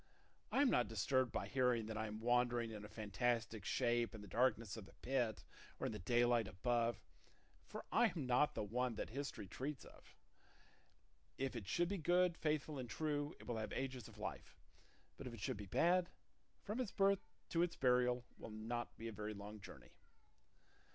I am not disturbed by hearing that I am wandering in a fantastic shape in the darkness of the pit or in the daylight above, for I am not the one that history treats of. If it should be good, faithful, and true, it will have ages of life; but if it should be bad, from its birth to its burial will not be a very long journey."